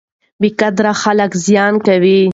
بې قدره خلک زیان کوي.